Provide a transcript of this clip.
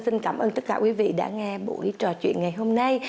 xin cảm ơn tất cả quý vị đã nghe buổi trò chuyện ngày hôm nay